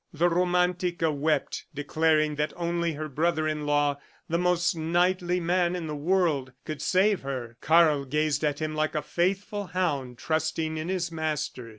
The Romantica wept, declaring that only her brother in law, "the most knightly man in the world," could save her. Karl gazed at him like a faithful hound trusting in his master.